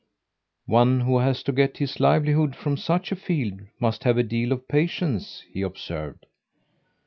"One who has to get his livelihood from such a field must have a deal of patience!" he observed.